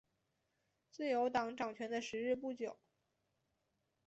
自由党掌权的时日不久。